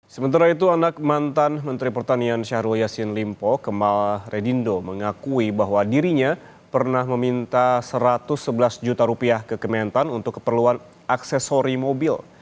sementara itu anak mantan menteri pertanian syahrul yassin limpo kemal redindo mengakui bahwa dirinya pernah meminta satu ratus sebelas juta rupiah ke kementan untuk keperluan aksesori mobil